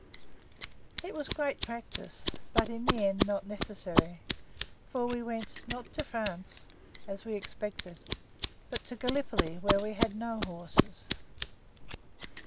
It was great practice, but in the end not necessary; for we went, not to France, as we expected, but to Gallipoli, where we had no horses.